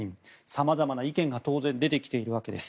さまざまな意見が当然、出てきているわけです。